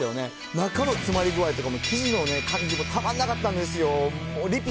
中の詰まり具合とかも、生地のね、感じもたまんなかったんですよ。